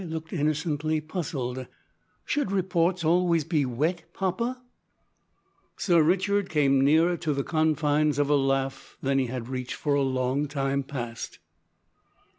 Di looked innocently puzzled. "Should reports always be wet, papa?" Sir Richard came nearer to the confines of a laugh than he had reached for a long time past.